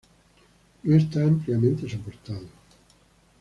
No está ampliamente soportado.